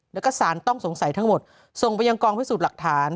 แล้วก็สารต้องสงสัยทั้งหมดส่งไปยังกองพิสูจน์หลักฐาน